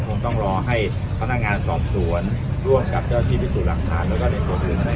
คงต้องรอให้พนักงานสอบสวนร่วมกับเจ้าที่พิสูจน์หลักฐานแล้วก็ในส่วนอื่น